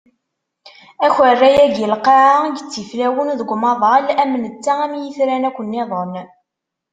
Akerra-agi n lqaɛa i yettiflawen deg umaḍal am netta am yitran akk niḍen.